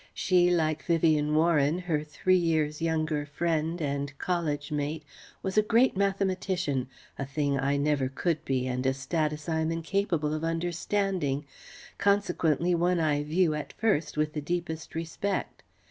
She, like Vivien Warren, her three years younger friend and college mate, was a great mathematician a thing I never could be and a status I am incapable of understanding; consequently one I view at first with the deepest respect.